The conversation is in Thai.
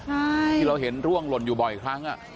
ที่เราเห็นร่วงหล่นอยู่บ่อยอีกครั้ง